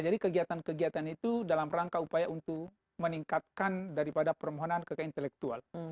jadi kegiatan kegiatan itu dalam rangka upaya untuk meningkatkan daripada permohonan kekayaan intelektual